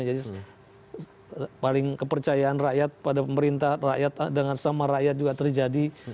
jadi paling kepercayaan rakyat pada pemerintah rakyat dengan sama rakyat juga terjadi